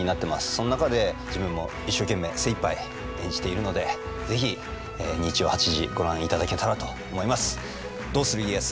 その中で自分も一生懸命精いっぱい演じているので是非日曜８時ご覧いただけたらと思います。